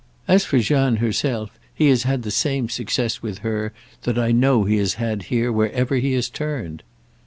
As for Jeanne herself he has had the same success with her that I know he has had here wherever he has turned."